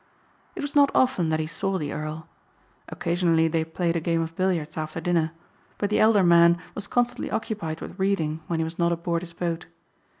It was not often that he saw the earl. Occasionally they played a game of billiards after dinner but the elder man was constantly occupied with reading when he was not aboard his boat.